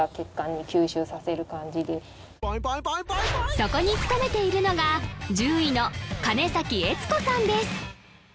そこに勤めているのが獣医の金依津子さんです